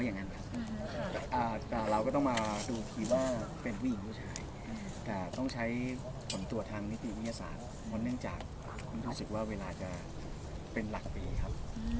เห็นว่าสองนะครับเห็นว่าสองนะครับครับทั้งสองคนคือผู้หญิงใช่ไหมครับ